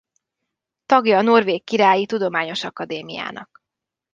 Tagja a Norvég Királyi Tudományos Akadémiának.